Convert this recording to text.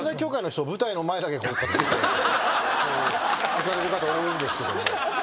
行かれる方多いですけどね。